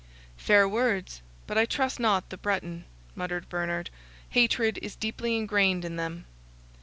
"Fair words, but I trust not the Breton," muttered Bernard; "hatred is deeply ingrained in them."